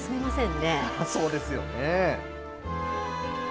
そうですよね。